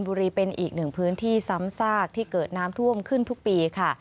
บุรีเป็นอีกหนึ่งพื้นที่ซ้ำซากที่เกิดน้ำท่วมขึ้นทุกปีค่ะ